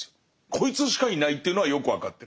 こいつしかいないっていうのはよく分かってる。